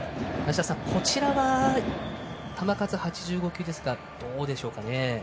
こちらは球数８５球ですがどうでしょうか？